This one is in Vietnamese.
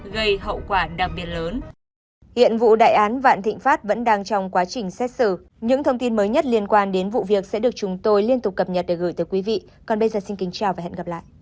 gây hậu quả đặc biệt lớn